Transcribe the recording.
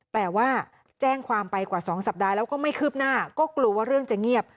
แต่ว่าแจ้งความไปกว่า๒สัปดาห์แล้วก็ไม่คืบหน้าก็กลัวว่าเรื่องจะเงียบ